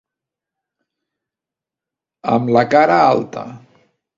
Amb la cara alta.